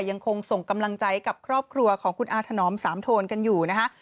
ยังคงส่งกำลังใจกับครอบครัวของคุณอาถนอมสามโทนกันอยู่นะคะ